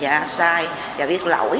dạ sai dạ biết lỗi